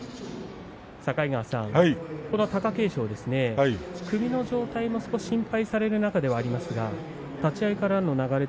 境川さん、貴景勝は首の状態が少し心配される中ですが立ち合いからの流れ